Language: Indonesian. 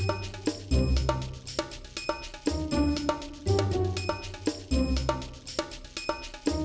adriana itu mantan pacar boy